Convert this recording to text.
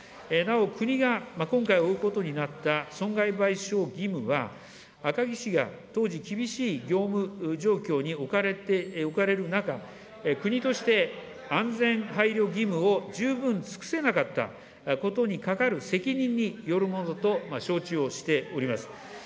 なお、国が今回負うことになった損害賠償義務は、赤木氏が当時、厳しい業務状況におかれる中、国として安全配慮義務を十分尽くせなかったことにかかる責任によるものと承知をしております。